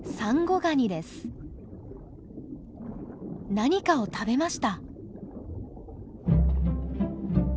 何かを食べました！